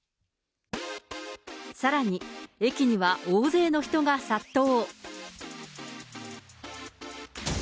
さらに駅には大勢の人が殺到。